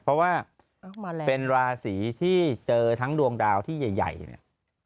เพราะว่าเป็นราศีที่เจอทั้งดวงดาวที่ใหญ่เนี่ย